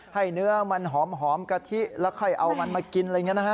ให้เนื้อมาหอมกะทิแล้วใครเอามันมากิน